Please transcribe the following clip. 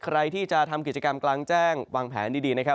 ใครที่จะทำกิจกรรมกลางแจ้งวางแผนดีนะครับ